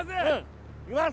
いきます。